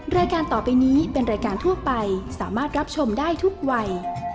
รายการต่อไปนี้เป็นรายการทั่วไปสามารถรับชมได้ทุกวัย